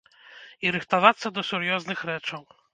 І рыхтавацца да сур'ёзных рэчаў.